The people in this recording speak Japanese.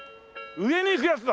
上に行くやつだ！